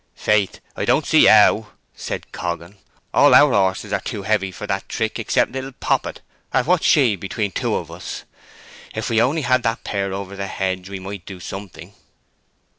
"Faith, I don't see how," said Coggan. "All our horses are too heavy for that trick except little Poppet, and what's she between two of us?—If we only had that pair over the hedge we might do something."